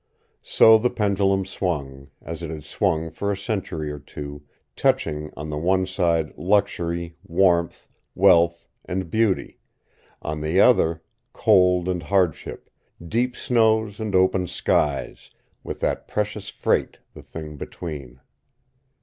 So the pendulum swung, as it had swung for a century or two, touching, on the one side, luxury, warmth, wealth, and beauty; on the other, cold and hardship, deep snows and open skies with that precious freight the thing between.